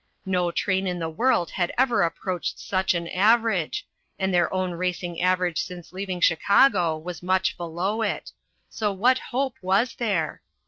No train in the world had ever approached such an average, and their own racing average since leaving Chicago was much below it. So what hope was there?